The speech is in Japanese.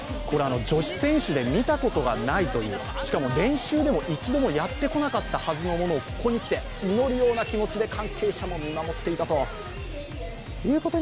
これは女子選手で見たことがないというしかも練習で一度もやったことがないはずのものをここにきて、祈るような気持ちで関係者も見守っていたという。